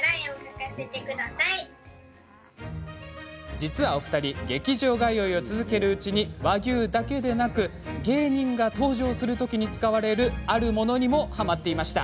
実はお二人、劇場通いを続けるうちに和牛だけでなく芸人が登場するときに使われるあるものにも、はまっていました。